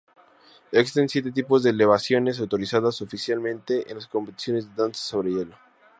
Existen siete tipos de elevaciones autorizadas oficialmente en las competiciones de danza sobre hielo.